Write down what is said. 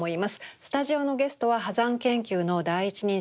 スタジオのゲストは波山研究の第一人者